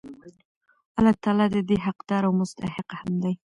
الله تعالی د دي حقدار او مستحق هم دی